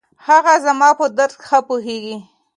هغه زما په درد ښه پوهېږي.